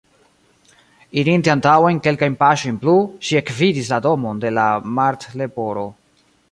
Irinte antaŭen kelkajn paŝojn plu, ŝi ekvidis la domon de la Martleporo.